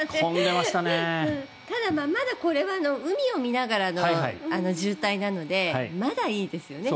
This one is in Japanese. ただ、海を見ながらの渋滞なのでまだいいですよね。